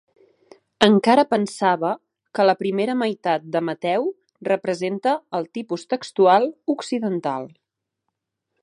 Encara pensava que la primera meitat de Mateu representa el tipus textual occidental.